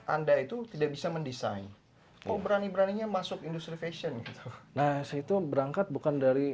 anda itu tidak bisa mendesain berani beraninya masuk industri fashion itu berangkat bukan dari